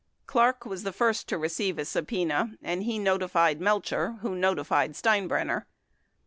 Clark was the first to receive a subpena and he notified Melcher who notified Steinbrenner.